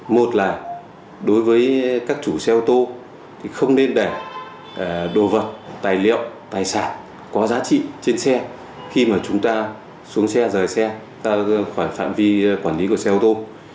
một là đối với các chủ xe ô tô thì không nên để đồ vật tài liệu tài sản có giá trị trên xe khi mà chúng ta xuống xe rời xe khỏi phạm vi quản lý của xe ô tô